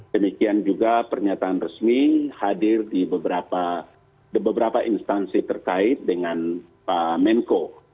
demikian juga pernyataan resmi hadir di beberapa instansi terkait dengan pak menko